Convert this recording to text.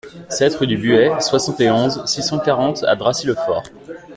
sept rue du Buet, soixante et onze, six cent quarante à Dracy-le-Fort